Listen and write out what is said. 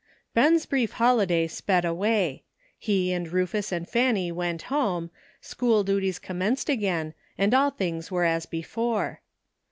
BEN'S brief holiday sped away. He and Rufus and Fanny went home ; school duties commenced again, and all things were as before.